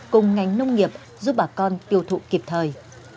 cùng ngành nông nghiệp giúp bà con tiêu thụ kịp thời